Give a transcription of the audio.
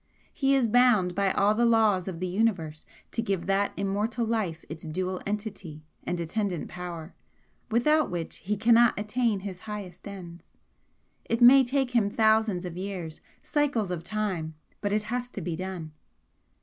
He is bound by all the laws of the Universe to give that immortal life its dual entity and attendant power, without which he cannot attain his highest ends. It may take him thousands of years cycles of time, but it has to be done.